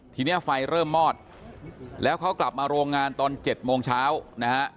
ทีนี้ไฟเริ่มมอดแล้วเขากลับมาโรงงานตอน๗โมงเช้านะฮะ